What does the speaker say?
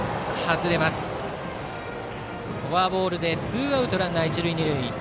フォアボールでツーアウトランナー、一塁二塁。